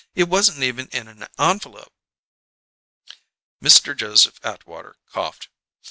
"It wasn't even in an envelope." Mr. Joseph Atwater coughed.